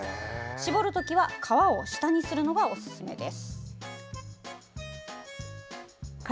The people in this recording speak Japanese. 搾るときは皮を下にするのがおすすめです。